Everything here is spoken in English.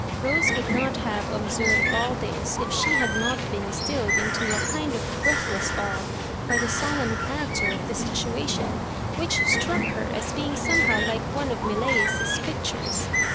Rose could not have observed all this if she had not been stilled into a kind of breathless awe by the solemn character of the situation, which struck ner as being somehow like one of Millais's pictures.